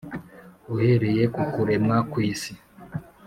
uhereye kukuremwa kw'isi.